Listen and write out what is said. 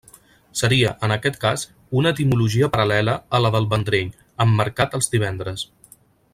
Seria, en aquest cas, una etimologia paral·lela a la del Vendrell, amb mercat els divendres.